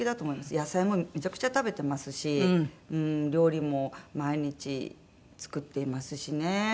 野菜もめちゃくちゃ食べてますし料理も毎日作っていますしね。